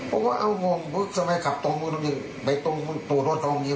ผมก็เอางงทำไมขับตรงนู้นไปตรงตัวโดดตรงนี้